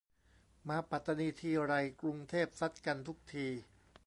มาปัตตานีทีไร กรุงเทพซัดกันทุกที